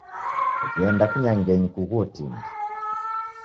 Ghenda kinyangenyi kughuo tindi.